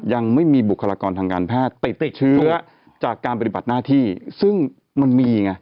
ยังไม่มีบุคลากรทางการแพทย์ติดติดเชื้อจากการปฏิบัติหน้าที่ซึ่งมันมีไง